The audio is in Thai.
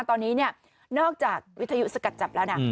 ตอนนี้นอกจากวิทยุสกัดจับแล้วนะ